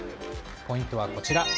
ポイントはこちら。